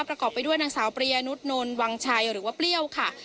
ประกอบไปด้วยนางสาวปริยานุษนนวังชัยหรือว่าเปรี้ยวค่ะ